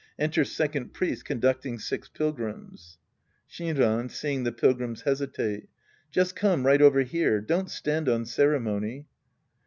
Enter Second Priest conducting six Pilgrims.) Shinran {seeing the Pilgrims hesitate^ Just come right over here. Don't stand on ceremony.